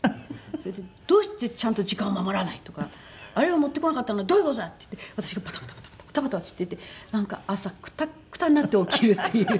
それで「どうしてちゃんと時間を守らない！」とか「あれを持ってこなかったのはどういう事だ！」って言って私がバタバタバタバタ走っていってなんか朝くたくたになって起きるっていう。